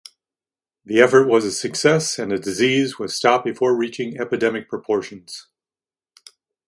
The effort was a success and the disease was stopped before reaching epidemic proportions.